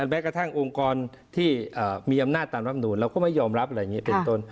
แม้กระทั่งองค์กรที่มีอำนาจตามรับนูนเราก็ไม่ยอมรับอะไรอย่างนี้เป็นต้น